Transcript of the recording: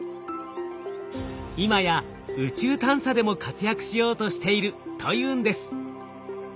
今や宇宙探査でも活躍しようとしているというんです。